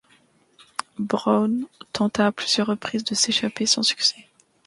Brown tenta à plusieurs reprises de s'échapper, sans succès.